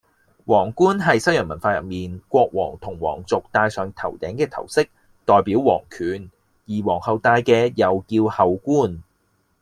王冠係西洋文化入面國王同王族戴上頭頂嘅頭飾，代表王權。而王后戴嘅又叫后冠